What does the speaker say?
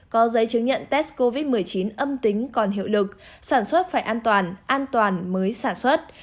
có giấy chứng nhận test covid một mươi chín âm tính còn hiệu lực sản xuất phải an toàn an toàn mới sản xuất